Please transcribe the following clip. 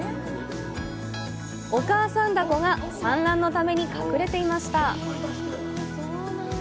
お母さんダコが産卵のために隠れていました！